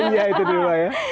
iya itu dulu ya